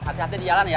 hati hati di jalan ya